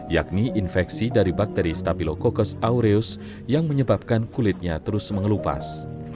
yakni infeksi dari bakteri stapilococcus aureus yang menyebabkan kulitnya terus mengelupas